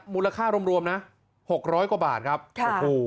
มูลค่ารวมรวมนะหกร้อยกว่าบาทครับค่ะโอ้โห